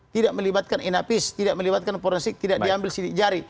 tidak melibatkan inapis tidak melibatkan forensik tidak diambil sidik jari